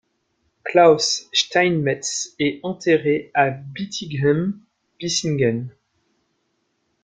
Klaus Steinmetz est enterré à Bietigheim-Bissingen.